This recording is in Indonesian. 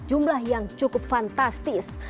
jumlah yang cukup fantastis